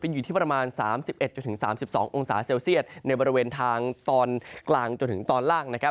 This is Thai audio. อยู่ที่ประมาณ๓๑๓๒องศาเซลเซียตในบริเวณทางตอนกลางจนถึงตอนล่างนะครับ